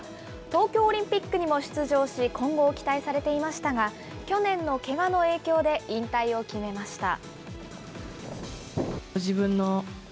東京オリンピックにも出場し、今後を期待されていましたが、去年のけがの影響で、引退を決めました。